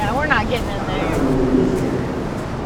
Aql-aɣ nlemmed kan.